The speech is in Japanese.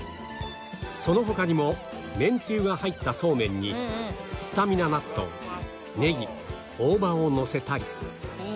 その他にも麺つゆが入った素麺にスタミナ納豆ネギ大葉をのせたり